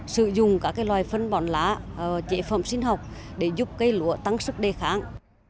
sử dụng các loài phân bón lá chế phẩm sinh học để giúp cây lúa tăng sức đề kháng